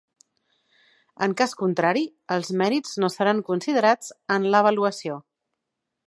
En cas contrari, els mèrits no seran considerats en l'avaluació.